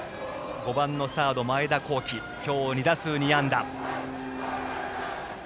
５番のサード前田幸毅今日２打数２安打。